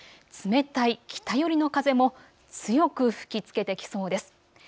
冷たい北寄りの風も強く吹きつけてきそうです。